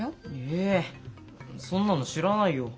えそんなの知らないよ。